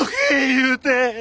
言うて。